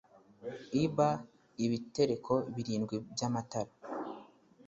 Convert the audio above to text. ibh ibitereko birindwi by amatara